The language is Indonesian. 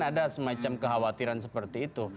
ada semacam kekhawatiran seperti itu